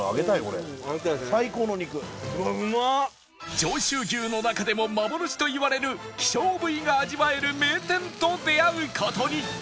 上州牛の中でも幻といわれる希少部位が味わえる名店と出会う事に